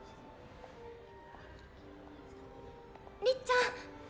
りっちゃん！